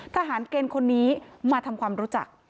ทหารเกณฑ์คนนี้มาทำความรู้จัก